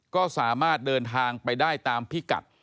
ก็สามารถเดินทางไปได้ตามพิกัด